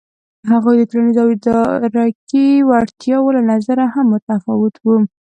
هغوی د ټولنیزو او ادراکي وړتیاوو له نظره هم متفاوت وو.